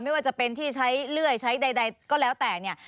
ไม่ว่าจะเป็นที่ใช้เลื่อยใช้ใดก็แล้วแต่เนี่ย